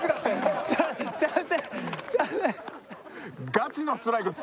ガチのストライクっす。